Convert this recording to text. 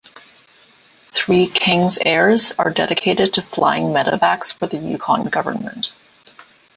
Three Kings Airs are dedicated to flying medevacs for the Yukon Government.